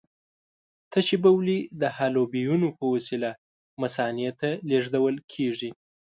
تشې بولې د حالبیونو په وسیله مثانې ته لېږدول کېږي.